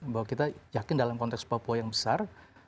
bahwa kita yakin dalam konteks papua yang besar